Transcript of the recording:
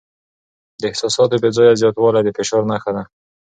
د احساساتو بې ځایه زیاتوالی د فشار نښه ده.